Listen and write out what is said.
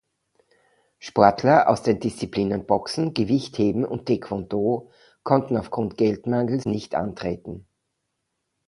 Sportler aus den Disziplinen Boxen, Gewichtheben und Taekwondo konnten aufgrund Geldmangels nicht antreten.